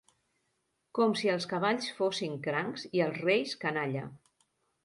Com si els cavalls fossin crancs i els reis canalla.